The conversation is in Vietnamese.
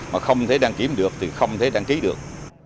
mà không thể đăng kiểm được thì không thể đăng ký được